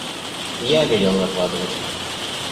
Я велел закладывать.